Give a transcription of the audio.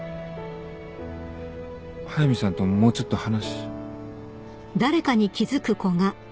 速見さんともうちょっと話。